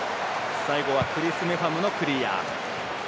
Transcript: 最後はクリス・メファムのクリア。